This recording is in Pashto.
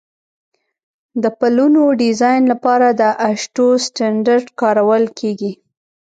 د پلونو ډیزاین لپاره د اشټو سټنډرډ کارول کیږي